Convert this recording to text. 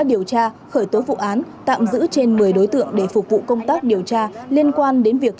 điều tra khởi tố vụ án tạm giữ trên một mươi đối tượng để phục vụ công tác điều tra liên quan đến việc